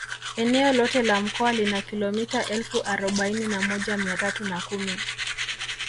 Eneo lote la mkoa lina kilometa elfu arobaini na moja mia tatu na kumi